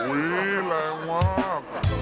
อุ๊ยแรงมาก